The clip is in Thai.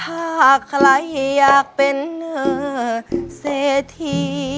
โตขึ้นอยากเป็นอะไร